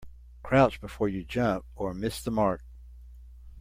Crouch before you jump or miss the mark.